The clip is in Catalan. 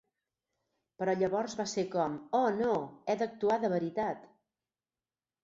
Però llavors va ser com: "Oh no, he d'actuar de veritat.